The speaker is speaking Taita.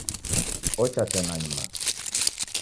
Ochacha nanyuma